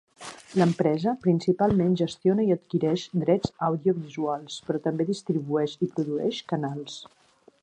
L'empresa principalment gestiona i adquireix drets audiovisuals, però també distribueix i produeix canals.